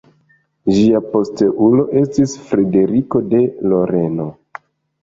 Lia posteulo estis Frederiko de Loreno.